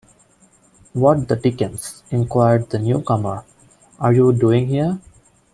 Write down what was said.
"What the dickens," inquired the newcomer, "are you doing here?"